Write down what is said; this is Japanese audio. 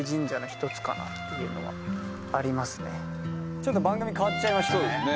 ちょっと番組変わっちゃいましたね